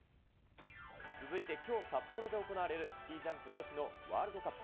続いて、きょう札幌で行われるスキージャンプ女子のワールドカップ。